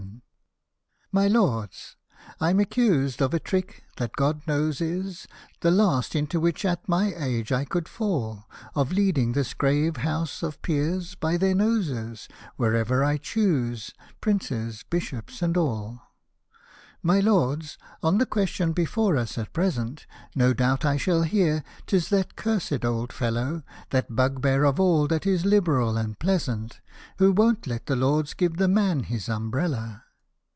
My Lords, I'm accused of a trick that, God knows, is The last into which, at my age, I could fall — Of leading this grave House of Peers, by their noses, Wherever I choose, princes, bishops, and all. My Lords, on the question before us at present, No doubt I shall hear, "Tis that cursed old fellow, That bugbear of all that is liberal and pleasant, Who won't let the Lords give the man his umbrella